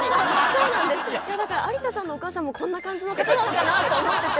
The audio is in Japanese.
だから有田さんのお母さんもこんな感じの方なのかなと思ってて。